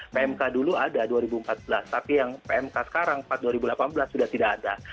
pmk dulu ada dua ribu empat belas tapi yang pmk sekarang empat dua ribu delapan belas sudah tidak ada